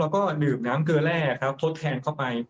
เราก็ถืนน้ำเกลือแร่ทดแทนเข้าไว้